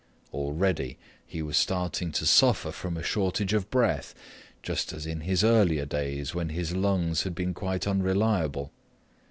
Already he was starting to suffer from a shortage of breath, just as in his earlier days when his lungs had been quite unreliable.